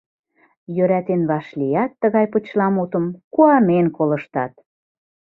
Йӧратен вашлият тыгай почеламутым, куанен колыштат.